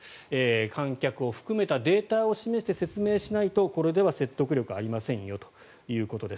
観客を含めたデータを示して説明しないとこれでは説得力ありませんよということです。